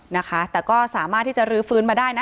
นะคะแต่ก็สามารถที่จะรื้อฟื้นมาได้นะ